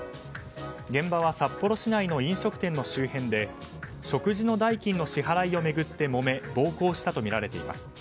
現場は札幌市内の飲食店の周辺で食事の代金の支払いを巡ってもめ暴行したとみられています。